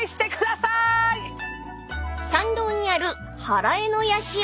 ［参道にある祓社］